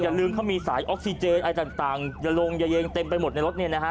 ลืมเขามีสายออกซิเจนอะไรต่างอย่าลงอย่าเยงเต็มไปหมดในรถเนี่ยนะฮะ